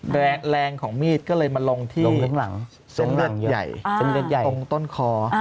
แรงของมีดก็เลยมาลงที่เส้นเลือดใหญ่ตรงต้นคอ